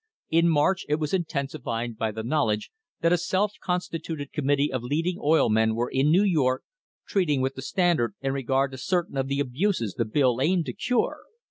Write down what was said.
In March it was intensified by the knowledge that a self constituted committee of leading oil men were in New York treating with the Standard in regard to certain of the abuses the bill aimed to cure.